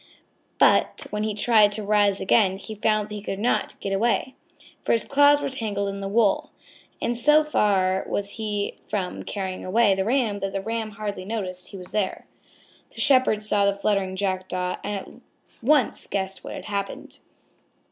But when he tried to rise again he found that he could not get away, for his claws were tangled in the wool. And so far was he from carrying away the Ram, that the Ram hardly noticed he was there. The Shepherd saw the fluttering Jackdaw and at once guessed what had happened.